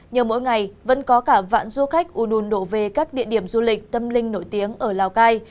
nhưng mỗi ngày vẫn có cả vạn du khách u đun đổ về các địa điểm du lịch tâm linh nổi tiếng ở lào cai